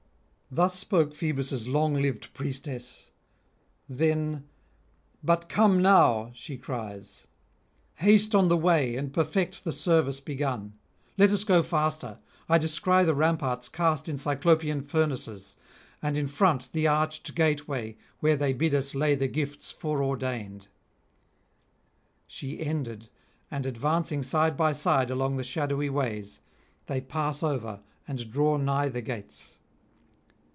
Thus spoke Phoebus' long lived priestess; then 'But come now,' she cries; 'haste on the way and perfect the service begun; let us go faster; I descry the ramparts cast in Cyclopean furnaces, and in front the arched gateway where they bid us lay the gifts foreordained.' She ended, and advancing side by side along the shadowy ways, they pass over and draw nigh the gates.